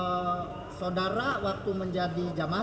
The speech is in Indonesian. oh saudara waktu menjadi jamaah